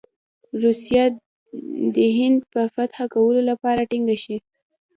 روسیه دې د هند د فتح کولو لپاره ټینګه شي.